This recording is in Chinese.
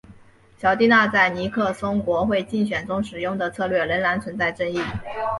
乔蒂纳在尼克松国会竞选中使用的策略仍然存在争议。